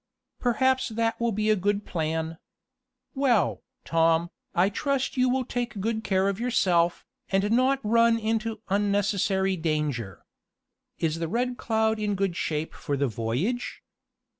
"Perhaps that will be a good plan. Well, Tom, I trust you will take good care of yourself, and not run into unnecessary danger. Is the Red Cloud in good shape for the voyage?"